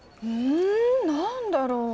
ん何だろう？